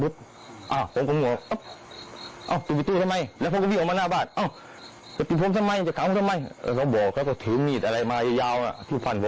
สลมไม้สลมไม้เราก็บอกเขาจะถือมีดอะไรมายาว